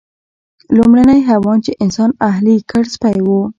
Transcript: لومړنی حیوان چې انسان اهلي کړ سپی و.